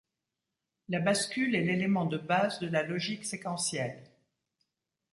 La bascule est l'élément de base de la logique séquentielle.